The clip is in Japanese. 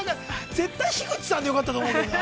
絶対樋口さんでよかったと思うけどな。